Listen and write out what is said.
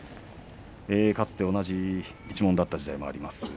かつて同じ一門だった時代もあります。